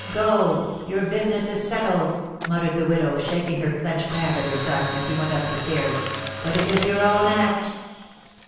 "Go, your business is settled!" muttered the widow, shaking her clenched hand at her son, as he went up the stairs; "but it is your own act."